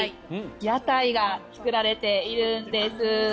屋台が作られているんです。